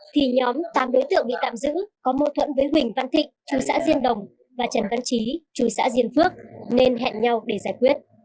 thì nhóm tám đối tượng bị tạm giữ có mâu thuẫn với huỳnh văn thịnh chú xã diên đồng và trần văn trí chú xã diên phước nên hẹn nhau để giải quyết